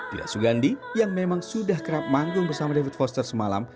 dira sugandi yang memang sudah kerap manggung bersama david foster semalam